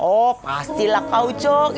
oh pastilah kak ucok